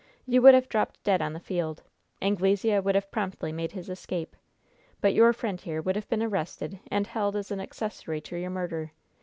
You would have dropped dead on the field. Anglesea would have promptly made his escape. But your friend here would have been arrested and held as an accessory to your murder.